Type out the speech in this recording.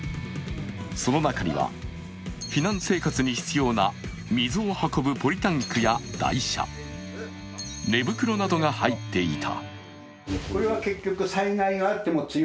その中には、避難生活に必要な水を運ぶポリタンクや台車、寝袋などが入っていた。